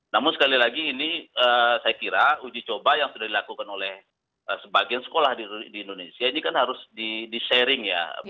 namun sekali lagi ini saya kira uji coba yang sudah dilakukan oleh sebagian sekolah di indonesia ini kan harus di sharing ya